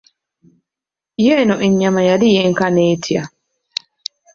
Yenno enyama yali yenkana etya!